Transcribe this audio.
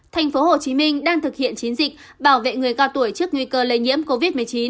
tp hcm đang thực hiện chiến dịch bảo vệ người cao tuổi trước nguy cơ lây nhiễm covid một mươi chín